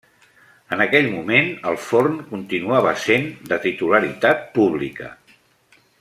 En aquell moment el forn continuava sent de titularitat pública.